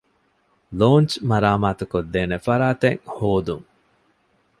ލޯންޗް މަރާމާތު ކޮށްދޭނެ ފަރާތެއް ހޯދުން